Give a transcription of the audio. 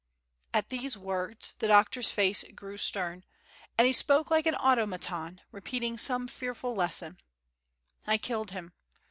At these words the doctor's face grew stern, and he spoke like an automaton repeating some fearful lesson: "I killed him.